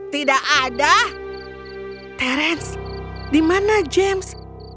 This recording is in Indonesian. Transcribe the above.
tidak ada arence di mana james